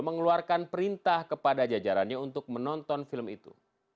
mengeluarkan perintah kepada jajarannya untuk menonton film itu